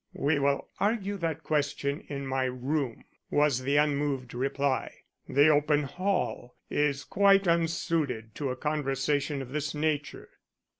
"We will argue that question in my room," was the unmoved reply. "The open hall is quite unsuited to a conversation of this nature.